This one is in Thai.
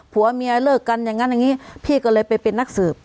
ผัวเมียเลิกกันอย่างนั้นอย่างนี้พี่ก็เลยไปเป็นนักสืบ